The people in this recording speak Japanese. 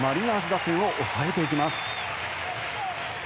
打線を抑えていきます。